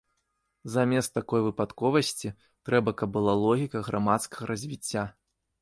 Замест такой выпадковасці трэба, каб была логіка грамадскага развіцця.